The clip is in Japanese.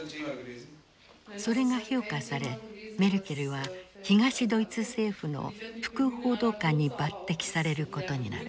それが評価されメルケルは東ドイツ政府の副報道官に抜てきされることになる。